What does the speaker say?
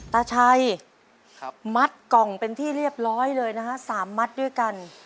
ตาชัยมัดกล่องเป็นที่เรียบร้อยเลยนะฮะ๓มัดด้วยกัน